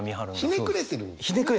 ひねくれてるんですね。